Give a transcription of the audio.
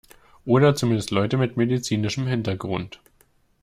Oder zumindest Leute mit medizinischem Hintergrund.